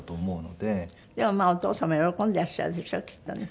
でもお父様喜んでいらっしゃるでしょうきっとね。